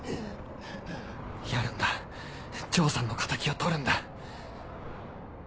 やるんだ丈さんの敵を取るんだ